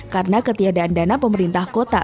karena ketiadaan dana pemerintah kota